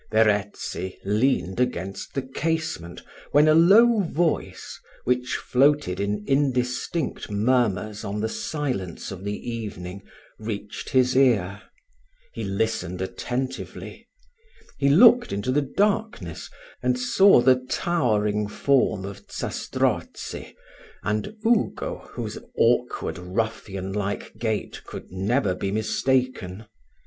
Verezzi leaned against the casement, when a low voice, which floated in indistinct murmurs on the silence of the evening, reached his ear. He listened attentively. He looked into the darkness, and saw the towering form of Zastrozzi, and Ugo, whose awkward, ruffian like gait, could never be mistaken.